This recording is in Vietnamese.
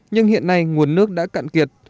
nhưng hiện nay nguồn nước đã cạn kiệt